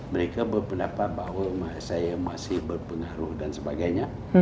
mereka berpendapat bahwa saya masih berpengaruh dan sebagainya